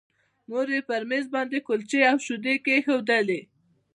مور یې په مېز باندې کلچې او شیدې کېښودې